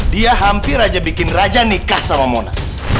dia hampir aja bikin raja nikah sama mona